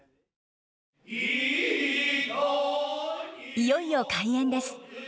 いよいよ開演です。